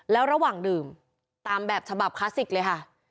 แล้วระหว่างดื่มตามแบบฉบับคลาสสิกเลยค่ะ